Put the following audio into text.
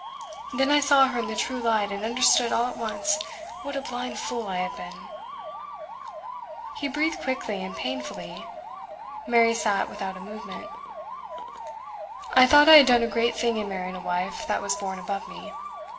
Then I saw her in the true light, and understood all at once what a blind fool I had been.' He breathed quickly and painfully. Mary sat without a movement. 'I thought I had done a great thing in marrying a wife that was born above me.